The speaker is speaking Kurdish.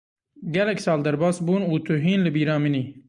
Gelek sal derbas bûn û tu hîn li bîra min î.